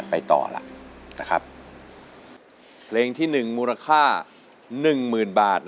เพลงที่๑มูลค่า๑หมื่นบาท